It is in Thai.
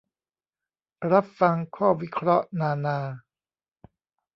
"รับฟังข้อวิเคราะห์นานา"